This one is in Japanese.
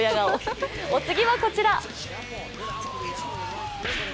お次はこちら。